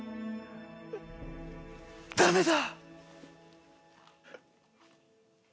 ダメだ。